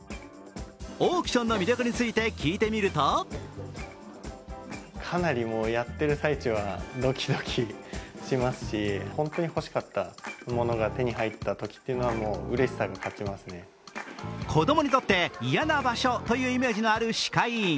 オークションの魅力について聞いてみると子供にとって嫌な場所というイメージのある歯科医院。